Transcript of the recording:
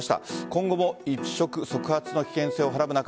今後も一触即発の危険性をはらむ中